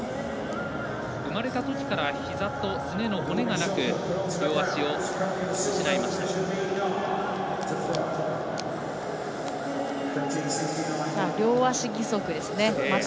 生まれたときからひざとすねの骨がなく両足を失いました。